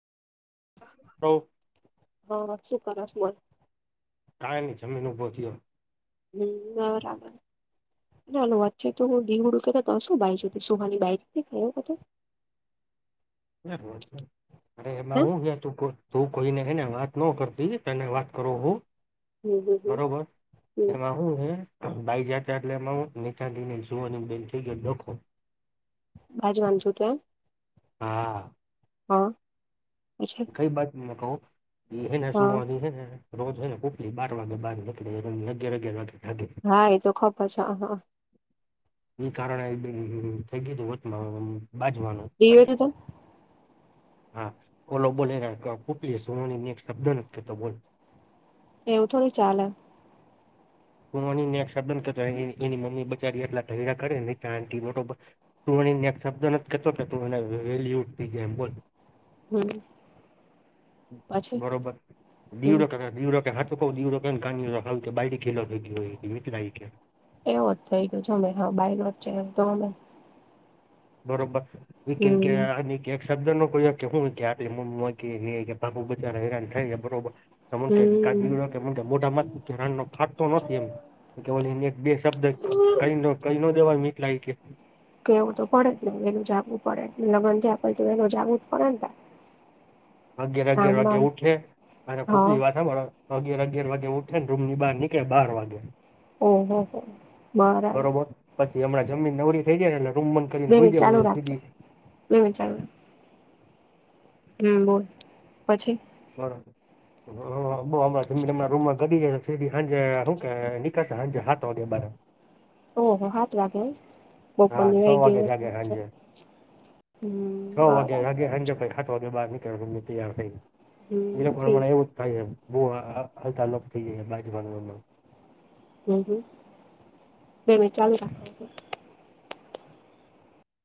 હા શું કર સુ વર ની જમીન ઉભો થયો. હમ બરાબર. ના આાલ વાત છે તો હું દીવડું કેતા તોશું બાઈ જધ સુહની બાઈ ખતો [inaudible] અરે એમાં હું ગ તું કો તું કોઈને એને વાત ન કરતી તો એને વાત કરો હું. હમ હમ બરોબર, હમ એમાં હું હે. બાઈ જા એટલે એમાં નીચાીને જુવાની બેન થઈ ગય દખો. બાજ વાંધ છુ તો એમ. હા. હા. પછી કઈ બાત કહું. એ એને હા સુવાનીને રોજને ખલી બાર વાગે બહાર નીકળી અગિયાર અગિયાર વાગે. ભાગે હા એતો ખબર છે હા. એ કારણે થઈ ગયું હોત. બાજવાનું. દીવે તો તમ હા, કોલો બોલેટલી સોનાણી એક શબ્દ નથીતો બોલ. એવું થોડી ચાલે. ન એનીની. [unintelligible] ચારી એટલા રા કરે શ બબ તું શબ્દ નથી કેતો કે તું એને વેલ્યુ. [unintelligible] ી જ એમ બોલ. હમ પછી બરોબર, હમ નિવડ નિડ ા તો દીડડી ખેલો હોય મિત્રમ. એવો જ થઈ ગયો છે અમે હા બાઈ ન જ છે એ તો અમે. બરોબર, એક હમ એક. શબ્દ નો કોઈ કેવું હોય કે આટ કે બાપુ બધ હેરાન થાય ને બરોબર. એમ કે હમ ગા કે એમ કે મોટામાં ન ફાટતો નથી એમ. કે એક બે શબ્દ કરી ન દેવા મિત્ર કે કેવું તો પડે જ ને વેલું જાગવું પડે લગન પડે તો વેલ જાગવું જ પડે ને તા. [inaudible] અગિયાર અગયાર વાગ્યે ઉઠે, અને હા ખુપલી વાત અગેર અગિાર વાગે ઉઠે ને રૂમ ની બહાર નીકળે બાર વાગે. ઓહ હો બરાબર. બરોબર પછી હમણાં જમીન નવરી થઈ જાય ને એટલે રૂમન બે કરીને ખઈ મિનિટ ચાલુ રાખ જાયીધી. બે મિનિટ ચાલુ હમ બોલ પછી. હ બ હણાં જમીમણા રૂમમાં ઘટી જાય. હંજ હુંક નીકળશે હંજ હાથ વાગે બાર આવે. ઓહ હાથ વાગે. હા છ બપોરવાઈ વાગે ગયો જાગે સાંજે હમ બરાબર. ક મુ તાર થ એ કો હમ ઠીક મ ઉત્ાગ [unintelligible] બહ હલતાાલપ થઈ જાય બાજવાનુંમાં. હમ હમ, બે મિનિટ ચાલુ રાખ.